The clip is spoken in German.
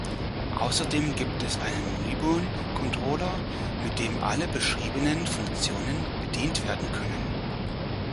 Außerdem gibt es einen Ribbon-Controller, mit dem alle beschriebenen Funktionen bedient werden können.